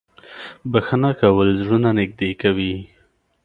• بښنه کول زړونه نږدې کوي.